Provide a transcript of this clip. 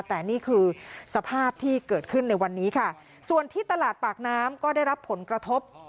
แต่นี่คือสภาพที่เกิดขึ้นในวันนี้ค่ะส่วนที่ตลาดปากน้ำก็ได้รับผลกระทบ